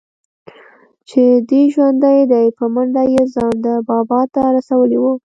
چې دى ژوندى دى په منډه يې ځان ده بابا ته رسولى و.